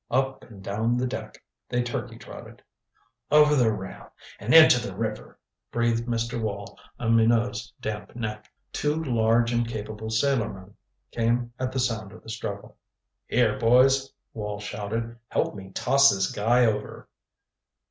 Up and down the deck they turkey trotted. "Over the rail and into the river," breathed Mr. Wall on Minot's damp neck. Two large and capable sailormen came at sound of the struggle. "Here, boys," Wall shouted. "Help me toss this guy over."